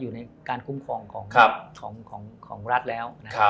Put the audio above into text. อยู่ในการคุ้มครองของรัฐแล้วนะครับ